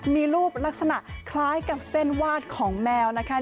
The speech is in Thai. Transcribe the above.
มีรูปลักษณะคล้ายกับเส้นวาดของแมวนะคะ